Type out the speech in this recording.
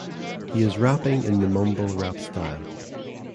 He is rapping in the mumble rap style.